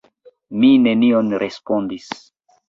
Mi nenion respondis.